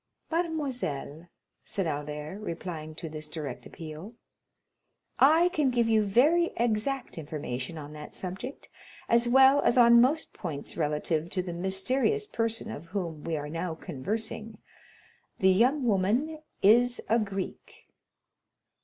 "Mademoiselle," said Albert, replying to this direct appeal, "I can give you very exact information on that subject, as well as on most points relative to the mysterious person of whom we are now conversing—the young woman is a Greek."